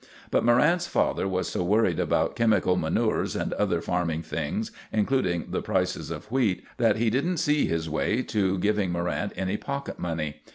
But Morrant's father was so worried about chemical manures and other farming things, including the price of wheat, that he didn't see his way to giving Morrant any pocket money.